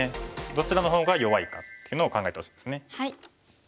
どちらの方が弱いかっていうのを考えてほしいですね。